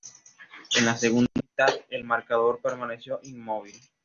En la segunda mitad el marcador permaneció inmóvil.